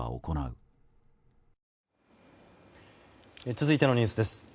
続いてのニュースです。